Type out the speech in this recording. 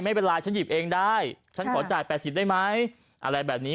ไม่เป็นไรฉันหยิบเองได้ฉันขอจ่าย๘๐ได้ไหมอะไรแบบนี้